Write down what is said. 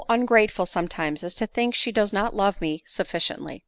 ungraceful sometimes as to think she does not bve me sufficiently."